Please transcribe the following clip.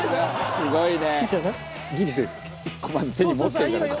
すごいわね。